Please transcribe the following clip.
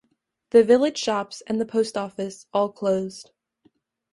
The village shops and the post office all closed.